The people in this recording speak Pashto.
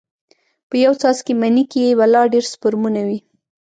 په يو څاڅکي مني کښې بلا ډېر سپرمونه وي.